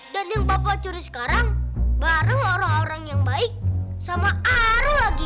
dan yang bapak curi sekarang bareng orang orang yang baik sama aru lagi